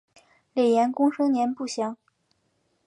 雷彦恭生年不详。